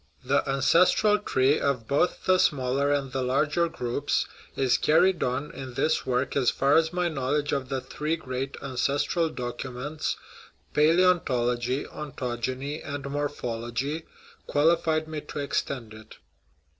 The ancestral tree of both the smaller and the larger groups is carried on in this work as far as my knowledge of the three great " ancestral documents " palaeontology, ontogeny, and morphology qualified me to extend it.